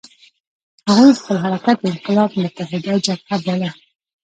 هغوی خپل حرکت د انقلاب متحده جبهه باله.